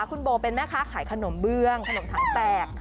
คุณโบเป็นแม่ค้าขายขนมเบื้องขนมถังแตก